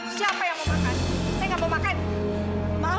siapa yang mau makan